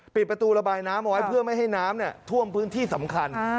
ปิดประตูระบายน้ำเอาไว้เพื่อไม่ให้น้ำท่วมพื้นที่สำคัญ